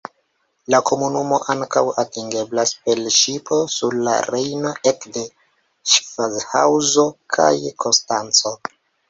La komunumo ankaŭ atingeblas per ŝipo sur la Rejno ek de Ŝafhaŭzo kaj Konstanco.